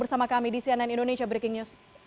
bersama kami di cnn indonesia breaking news